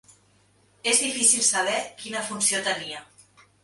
És difícil saber quina funció tenia.